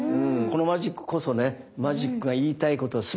このマジックこそねマジックが言いたいこと全て詰まってまして。